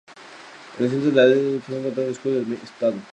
En el centro de la bandera, se encuentra el escudo del Estado.